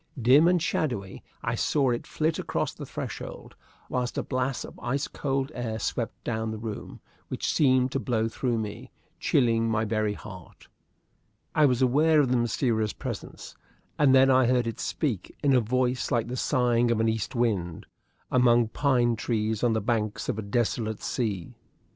Dim and shadowy, I saw it flit across the threshold, while a blast of ice cold air swept down the room, which seemed to blow through me, chilling my very heart. I was aware of the mysterious presence, and then I heard it speak in a voice like the sighing of an east wind among pine trees on the banks of a desolate sea.